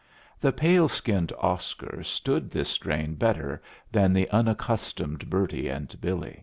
The pale skinned Oscar stood this strain better than the unaccustomed Bertie and Billy.